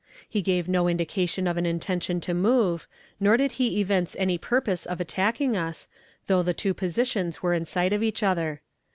He gave no indication of an intention to move, nor did he evince any purpose of attacking us, though the two positions were in sight of each other.